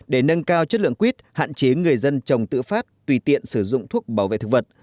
để nâng cao chất lượng quýt hạn chế người dân trồng tự phát tùy tiện sử dụng thuốc bảo vệ thực vật